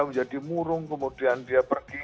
menjadi murung kemudian dia pergi